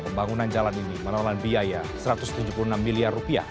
pembangunan jalan ini menawarkan biaya satu ratus tujuh puluh enam miliar rupiah